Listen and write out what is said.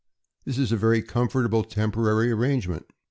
This is a very comfortable temporary arrangement.